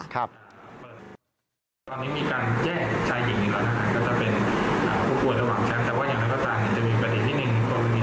ว่ามันมีผลข่าวตามเพื่อทำชับมาตรการตรงนี้